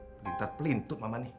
perintah pelintut mama nih